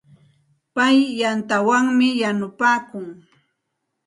Pay yantawanmi yanukun.